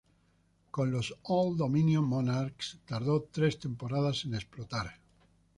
Con los Old Dominion Monarchs tardó tres temporadas en explotar.